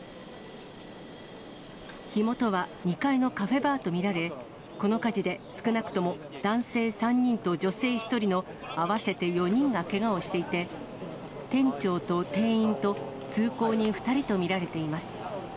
火元は２階のカフェバーと見られ、この火事で少なくとも男性３人と女性１人の合わせて４人がけがをしていて、店長と店員と通行人２人と見られています。